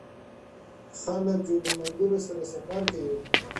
خلک له ملګرو سره سفر کوي